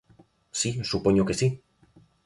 Si, supoño que si.